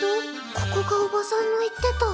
ここがおばさんの言ってた。